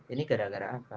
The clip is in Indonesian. ini gara gara apa